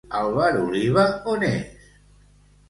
I el bar Oliva on és?